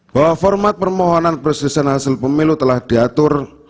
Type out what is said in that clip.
bahwa format permohonan presisian hasil pemilu telah diatur